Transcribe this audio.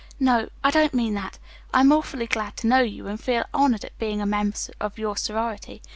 No, I don't mean that. I'm awfully glad to know you, and feel honored at being a member of your sorority.